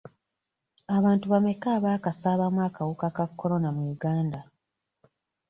Abantu bameka abaakasaabaamu akawuka ka kolona mu Uganda?